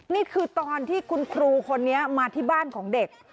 นี่คือตอนที่คุณครูคนนี้มาที่บ้านของเด็ก